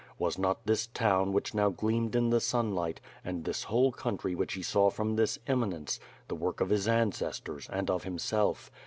Was not this town which now gleamed in the sunlight, and this whole country which he saw from this eminence, the work of his ancestors, and of himself.